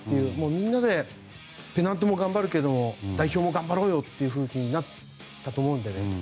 みんなでペナントも頑張るけど代表も頑張ろうという雰囲気になったと思うので。